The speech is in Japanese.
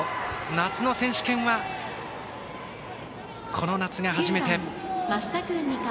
夏の選手権は、この夏が初めて。